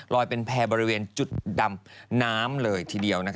เป็นแพร่บริเวณจุดดำน้ำเลยทีเดียว